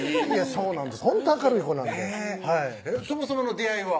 そうなんです